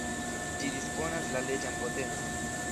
Ĝi disponas la leĝan potencon.